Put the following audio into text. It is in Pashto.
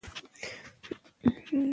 که نیت پاک وي نو عمل نه خرابیږي.